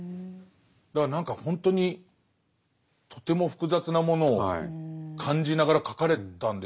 だから何かほんとにとても複雑なものを感じながら書かれたんでしょうね。